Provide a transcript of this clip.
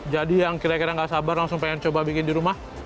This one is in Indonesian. jadi yang kira kira gak sabar langsung pengen coba bikin di rumah